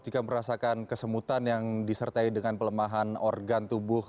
jika merasakan kesemutan yang disertai dengan pelemahan organ tubuh